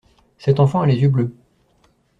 Cet enfant a les yeux bleus.